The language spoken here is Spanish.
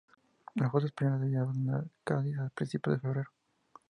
La flota española debía abandonar Cádiz a principios de febrero.